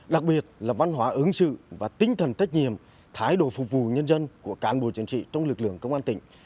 đặc biệt là văn hóa ứng sự và tinh thần trách nhiệm thái độ phục vụ nhân dân của cán bộ chiến sĩ trong lực lượng công an tỉnh